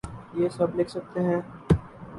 یہ سب لکھ سکتے ہیں؟